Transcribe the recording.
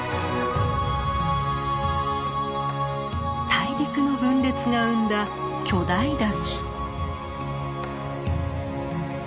大陸の分裂が生んだ巨大滝。